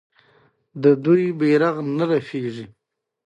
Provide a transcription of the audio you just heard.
د دوی بیرغ په رپیدو دی.